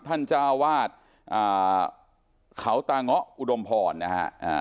ท่านเจ้าวาดอ่าเขาตาเงาะอุดมพรนะฮะ